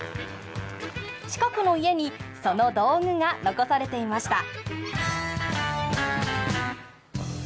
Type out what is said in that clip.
近くの家にその道具が残されていました。